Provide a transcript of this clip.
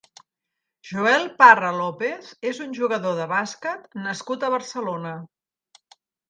Joel Parra López és un jugador de bàsquet nascut a Barcelona.